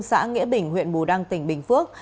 xã nghĩa bình huyện bù đăng tỉnh bình phước